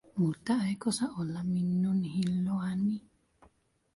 Mutta eikö saa olla minun hilloani?